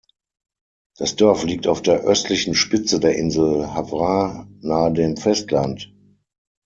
Das Dorf liegt auf der östlichen Spitze der Insel Hvar nahe dem Festland.